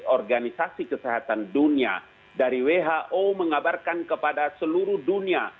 organisasi kesehatan dunia dari who mengabarkan kepada seluruh dunia